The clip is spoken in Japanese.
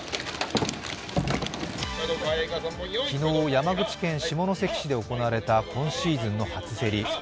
昨日、山口県下関市で行われた今シーズンの初競り。